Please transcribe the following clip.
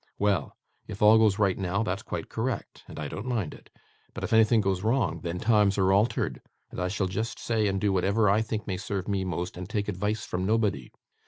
Well; if all goes right now, that's quite correct, and I don't mind it; but if anything goes wrong, then times are altered, and I shall just say and do whatever I think may serve me most, and take advice from nobody.